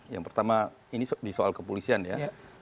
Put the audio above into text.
yang pertama ini di soal kepolisian ya